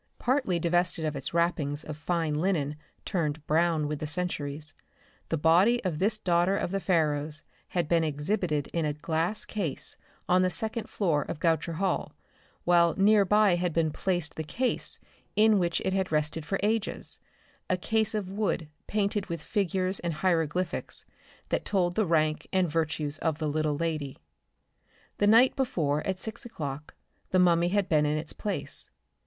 Partly divested of its wrappings of fine linen turned brown with the centuries, the body of this daughter of the Pharaohs had been exhibited in a glass case on the second floor of Goucher Hall, while nearby had been placed the case in which it had rested for ages, a case of wood painted with figures and hieroglyphics that told the rank and virtues of the little lady. The night before at 6 o'clock the mummy had been in its place.